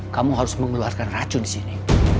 kamu harus mengeluarkan racun di sini